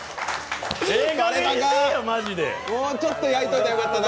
もうちょっと焼いといたらよかったな。